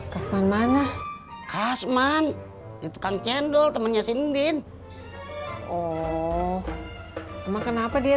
kasman mana kasman itu kang cendol temennya sindin oh emang kenapa dia